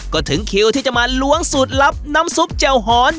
ก็ถึงคิวที่จะมาล้วงสูตรลับน้ำซุปแจ่วหอน